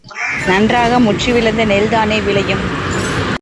நன்றாக முற்றி விளைந்த நெல்தானே விளையும்?